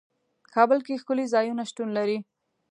کابل کې ښکلي ځايونه شتون لري.